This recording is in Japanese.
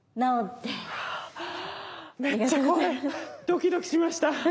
ドキドキしました。